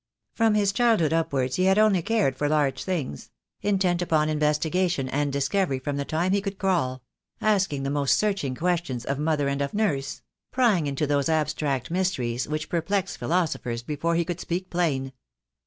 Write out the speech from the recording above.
From his childhood upwards he had cared only for large things — intent upon investigation and discovery from the time he could crawl — asking the most searching ques tions of mother and of nurse — prying into those abstract mysteries which perplex philosophers before he could speak plain.